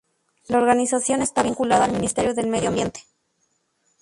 La organización está vinculada al Ministerio del Medio Ambiente.